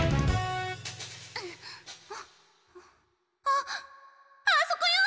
あっあそこよ！